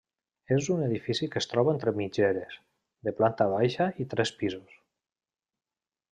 És un edifici que es troba entre mitgeres, de planta baixa i tres pisos.